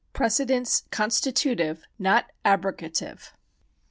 Precedents Constitutive, not Abrogative.